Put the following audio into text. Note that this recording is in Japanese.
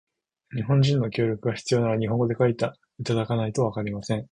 日本人の協力が必要なら、日本語で書いていただかないとわかりません。